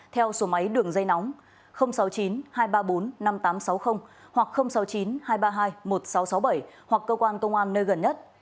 theo số máy đường dây nóng sáu mươi chín hai trăm ba mươi bốn năm nghìn tám trăm sáu mươi hoặc sáu mươi chín hai trăm ba mươi hai một nghìn sáu trăm sáu mươi bảy hoặc cơ quan công an nơi gần nhất